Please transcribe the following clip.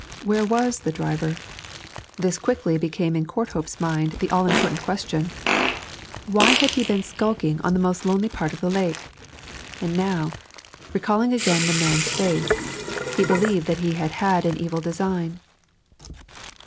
Where was the driver? This quickly became in Courthope's mind the all important question. Why had he been skulking on the most lonely part of the lake? And now, recalling again the man's face, he believed that he had had an evil design.